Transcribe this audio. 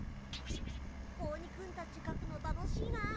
子鬼くんたちかくの楽しいなあ。